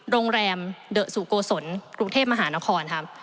โรงแรมเดอะสุโกศลกรุงเทพมหานครครับ